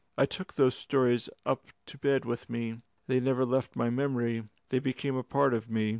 I took those stories up to bed with me. They never left my memory; they became a part of me.